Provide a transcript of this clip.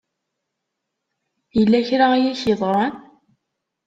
Yella kra i ak-yeḍran?